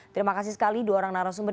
terima kasih sekali dua orang narasumber